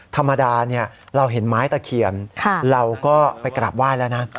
ธรรมดาเราเห็นไม้ตะเคียนเราก็ไปกราบไหว้แล้วนะ